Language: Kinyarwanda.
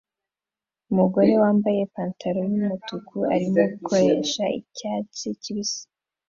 Umugore wambaye ipantaro yumutuku arimo gukoresha icyatsi kibisi